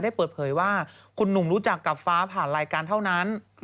เปิดเผยว่าคุณหนุ่มรู้จักกับฟ้าผ่านรายการเท่านั้น